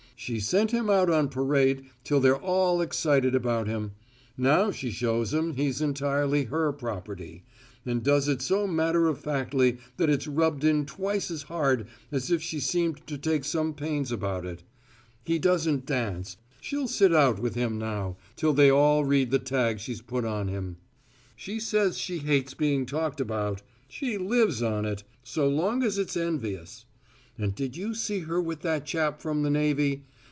She sent him out on parade till they're all excited about him; now she shows 'em he's entirely her property and does it so matter of factly that it's rubbed in twice as hard as if she seemed to take some pains about it. He doesn't dance: she'll sit out with him now, till they all read the tag she's put on him. She says she hates being talked about. She lives on it! so long as it's envious. And did you see her with that chap from the navy?